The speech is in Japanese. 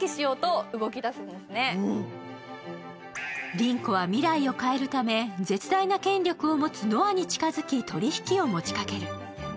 凛子は未来を変えるため、絶大な権力を持つノアに近づき取り引きを持ちかける。